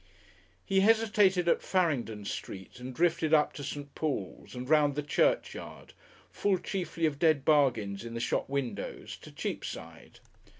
He hesitated at Farringdon Street and drifted up to St. Paul's and round the church yard, full chiefly of dead bargains in the shop windows, to Cheapside.